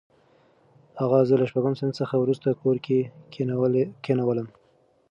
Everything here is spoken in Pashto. اغا زه له شپږم صنف څخه وروسته کور کې کښېنولم.